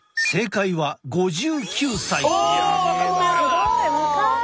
すごい若い。